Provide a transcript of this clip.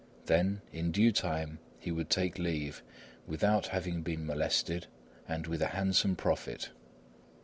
Then, in due time, he would take leave, without having been molested and with a handsome profit.